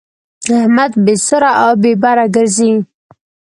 احمد بې سره او بې بره ګرځي.